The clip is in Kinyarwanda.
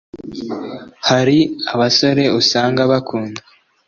Hari abasore usanga bakundwa